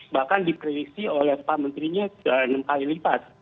bahkan diprediksi oleh pak menterinya enam kali lipat